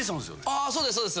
ああそうですそうです。